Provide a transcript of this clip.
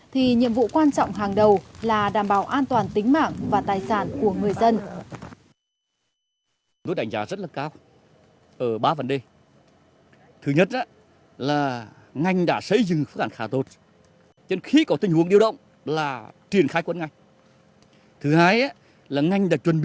thì nhiệm vụ quan trọng hàng đầu là đảm bảo an toàn tính mạng và tài sản của người dân